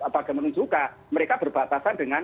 bagaimana juga mereka berbatasan dengan